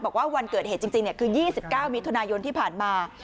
บอกว่าวันเกิดเหตุจริงคือ๒๙มิถุนายนที่ผ่านมา